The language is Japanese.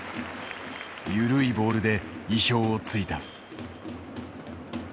緩いボールで意表をついた。